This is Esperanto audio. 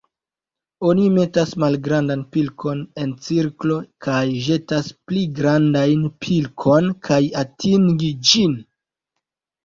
Oni metas malgrandan pilkon en cirklo kaj ĵetas pli grandajn pilkon por atingi ĝin.